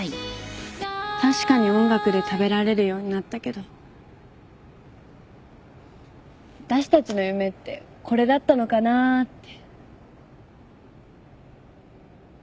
確かに音楽で食べられるようになったけどあたしたちの夢ってこれだったのかなって。